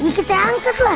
ini kita angkat lah